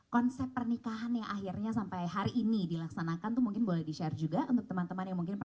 konsep pernikahan yang akhirnya sampai hari ini dilaksanakan tuh mungkin boleh di share juga untuk teman teman yang mungkin